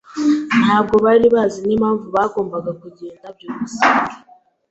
Ntabwo bari bazi n'impamvu bagombaga kugenda. byukusenge